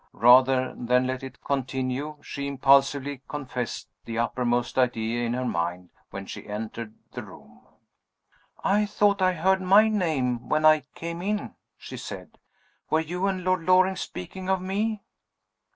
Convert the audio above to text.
Rather than let it continue, she impulsively confessed the uppermost idea in her mind when she entered the room. "I thought I heard my name when I came in," she said. "Were you and Lord Loring speaking of me?"